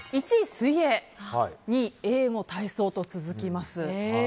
１位、水泳英語、体操と続きます。